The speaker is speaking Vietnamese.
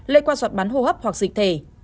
lây qua giọt bắn hô hấp hoặc dịch thể